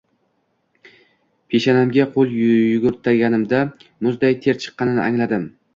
Peshanamga qo`l yugurtirganimda, muzday ter chiqqanini angladim